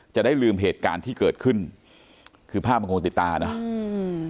จะได้ลืมเหตุการณ์ที่เกิดขึ้นคือภาพมันคงติดตาเนอะอืม